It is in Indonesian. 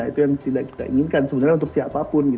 itu yang tidak kita inginkan sebenarnya untuk siapapun